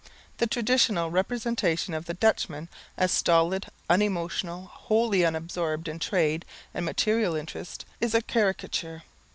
The traditional representation of the Dutchman as stolid, unemotional, wholly absorbed in trade and material interests, is a caricature.